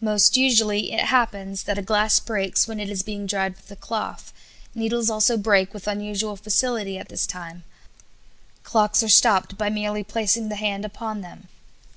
Most usually it happens that a glass breaks when it is being dried with a cloth; needles also break with unusual facility at this time; clocks are stopped by merely placing the hand upon them.